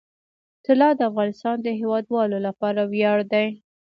طلا د افغانستان د هیوادوالو لپاره ویاړ دی.